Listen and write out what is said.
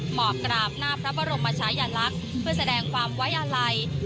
หมอบกราบหน้าพระบรมชายลักษณ์เพื่อแสดงความไว้อาลัย